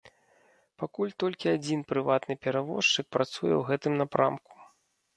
Пакуль толькі адзін прыватны перавозчык працуе ў гэтым напрамку.